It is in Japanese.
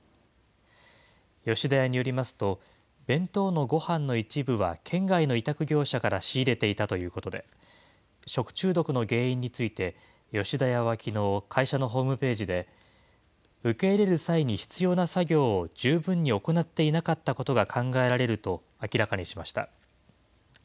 吉田屋によりますと、弁当のごはんの一部は県外の委託業者から仕入れていたということで、食中毒の原因について、吉田屋はきのう、会社のホームページで、受け入れる際に必要な作業を十分に行っていなかったことが考えられると明らかにしました。